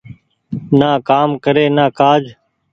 نآ ڪآم ڪري نآ ڪآج۔